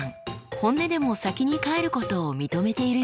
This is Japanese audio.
本音でも先に帰ることを認めているようです。